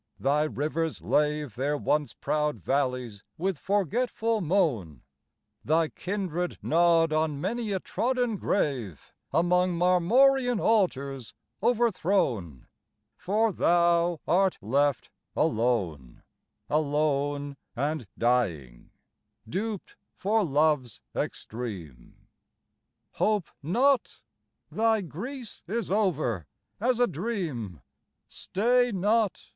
thy rivers lave Their once proud valleys with forgetful moan; Thy kindred nod on many a trodden grave Among marmorean altars overthrown; For thou art left alone, Alone and dying, duped for love's extreme: Hope not! thy Greece is over, as a dream; Stay not!